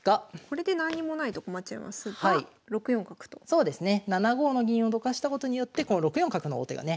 そうですね７五の銀をどかしたことによってこの６四角の王手がね